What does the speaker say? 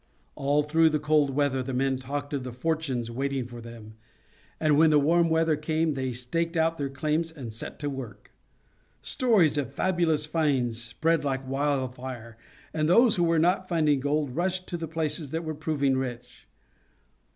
All through the cold weather the men talked of the fortunes waiting for them, and when the warm weather came they staked out their claims and set to work. Stories of fabulous finds spread like wild fire, and those who were not finding gold rushed to the places that were proving rich.